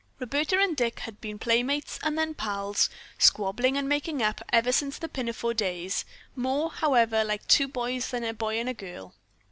Roberta and Dick had been playmates and then pals, squabbling and making up, ever since the pinafore days, more, however, like two boys than a boy and a girl.